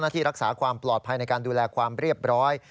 ที่รักษาความปลอดภัยในการดูแลความเรียบร้อย